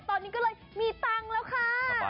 ตอนนี้ก็เลยมีตังค์แล้วค่ะ